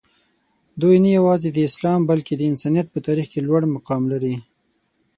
دوي نه یوازې د اسلام بلکې د انسانیت په تاریخ کې لوړ مقام لري.